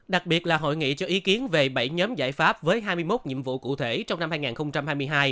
đặc biệt là hội nghị cho ý kiến về bảy nhóm giải pháp với hai mươi một nhiệm vụ cụ thể trong năm hai nghìn hai mươi hai